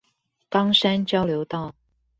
岡山交流道